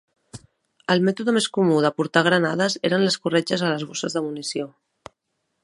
El mètode més comú de portar granades eren les corretges a les bosses de munició.